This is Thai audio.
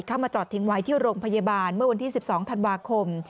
มาจอดทิ้งไว้ที่โรงพยาบาลเมื่อวันที่๑๒ธันวาคม